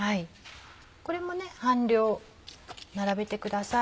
これも半量並べてください。